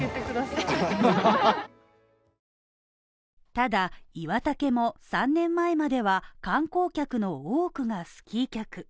ただ、岩岳も３年前までは観光客の多くがスキー客。